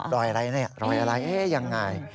รอยอะไรเนี่ยรอยอะไรยังไง